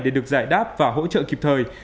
để được giải đáp và hỗ trợ kịp thời